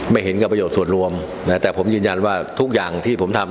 เห็นกับประโยชน์ส่วนรวมนะแต่ผมยืนยันว่าทุกอย่างที่ผมทำ